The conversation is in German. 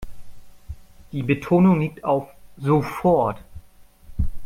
Die Betonung liegt auf sofort.